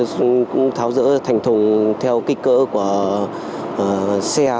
tôi cũng tháo dỡ thành thùng theo kích cỡ của xe